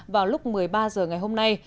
vào lúc một mươi ba h ngày hôm nay